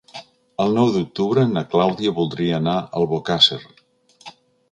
El nou d'octubre na Clàudia voldria anar a Albocàsser.